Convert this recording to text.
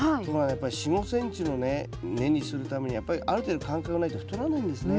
やっぱり４５ｃｍのね根にするためにはやっぱりある程度間隔ないと太らないんですね。